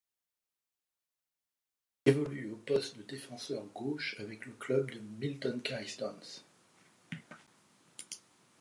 Il évolue au poste de défenseur gauche avec le club de Milton Keynes Dons.